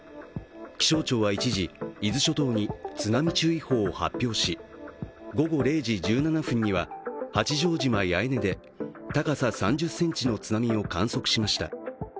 気象庁は一時、伊豆諸島に津波注意報を発表し午後０時１７分には八丈島・八重根で高さ３０ｃｍの津波を観測しました。